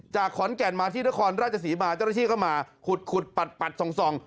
ขอนแก่นมาที่นครราชศรีมาเจ้าหน้าที่ก็มาขุดปัดส่อง